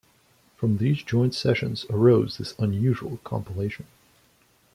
From these joint sessions arose this unusual compilation.